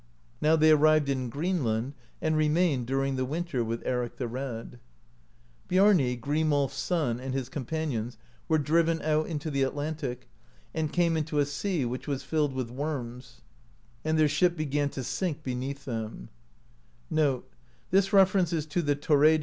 Now they arrived in Greenland, and remained during the winter with Eric the Red. Biarni, Grimolf's son, and his companions were driven out into the Atlantic, and came into a sea, which was filled with worms,* and their ship began to sink beneath them.